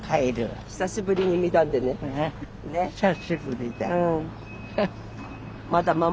久しぶりだ。え？